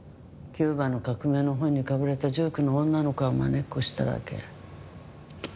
キューバの革命の本にかぶれた１９の女の子がまねっこしただけ。